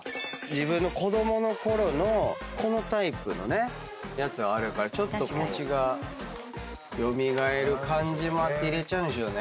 自分の子供のころのこのタイプのねやつがちょっと気持ちが蘇る感じもあって入れちゃうんでしょうね